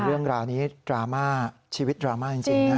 เรื่องราวนี้ดราม่าชีวิตดราม่าจริงนะ